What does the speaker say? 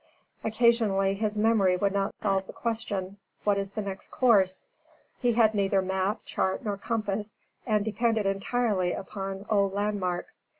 Occasionally his memory would not solve the question, what is the next course? He had neither map, chart, nor compass, and depended entirely upon old landmarks.